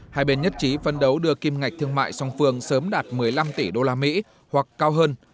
hai bên nhất trí phân đấu đưa kim ngạch thương mại song phương sớm đạt một mươi năm tỷ usd hoặc cao hơn